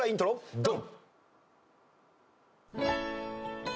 ドン！